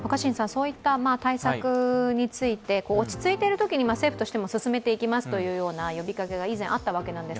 そういった対策について落ち着いているときに政府としても進めていきますという呼びかけが以前あったわけで。